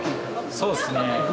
そうっすね。